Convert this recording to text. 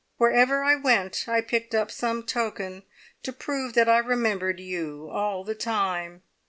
Wherever I went, I picked up some token to prove that I remembered you all the time."